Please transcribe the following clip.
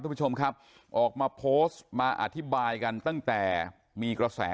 คุณผู้ชมครับออกมาโพสต์มาอธิบายกันตั้งแต่มีกระแส